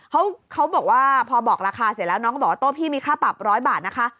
เขาบอกว่าพอบอกราคาเสร็จแล้วน้องก็บอกว่าโต๊ะพี่มีค่าปรับร้อยบาทนะคะ